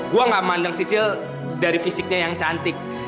gue gak mandang sisil dari fisiknya yang cantik